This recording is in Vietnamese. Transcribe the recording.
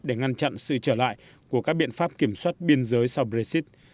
để ngăn chặn sự trở lại của các biện pháp kiểm soát biên giới sau brexit